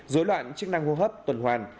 dối loạn chức năng hô hấp tuần hoàn